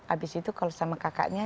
abis itu kalau sama kakaknya